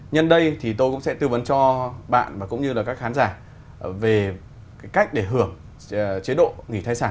nhân đây thì tôi cũng sẽ tư vấn cho bạn và cũng như là các khán giả về cách để hưởng chế độ nghỉ thai sản